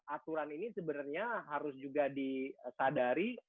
aturan ini sebenarnya harus juga disadari